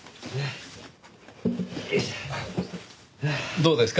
どうですか？